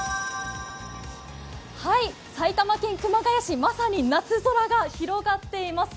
埼玉県熊谷市、まさに夏空が広がっています。